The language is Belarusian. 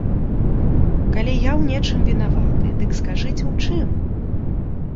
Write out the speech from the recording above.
Калі я ў нечым вінаваты, дык скажыце ў чым!